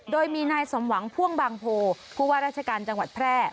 โดยมีนายสมหวังพ่วงบางโพผู้ว่าราชการจังหวัดแพร่